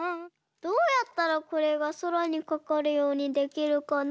どうやったらこれがそらにかかるようにできるかな？